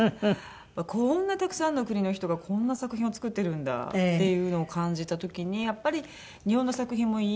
こんなたくさんの国の人がこんな作品を作ってるんだ！っていうのを感じた時にやっぱり日本の作品もいいもの